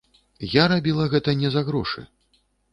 Я рабіла гэта не за грошы.